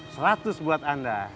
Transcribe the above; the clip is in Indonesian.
seratus buat anda